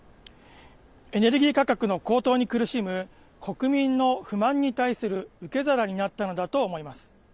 エネルギー価格の高騰に苦しむ国民の不満に対する受け皿になったのだと思います。